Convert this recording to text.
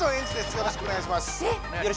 よろしくお願いします。